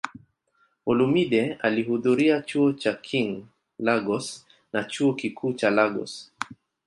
Olumide alihudhuria Chuo cha King, Lagos na Chuo Kikuu cha Lagos.